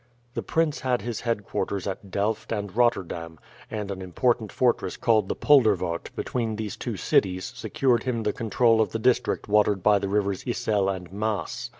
The prince had his headquarters at Delft and Rotterdam, and an important fortress called the Polderwaert between these two cities secured him the control of the district watered by the rivers Yssel and Maas.